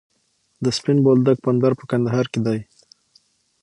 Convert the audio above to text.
د سپین بولدک بندر په کندهار کې دی